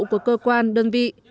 của cơ quan đơn vị